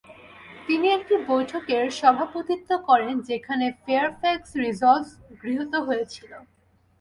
তিনি একটি বৈঠকের সভাপতিত্ব করেন, যেখানে "ফেয়ারফ্যাক্স রিসলভস" গৃহীত হয়েছিল।